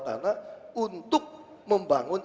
tanah untuk membangun